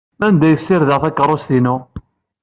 Anda ay ssirideɣ takeṛṛust-inu?